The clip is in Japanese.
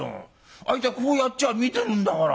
あいつはこうやっちゃ見てるんだから。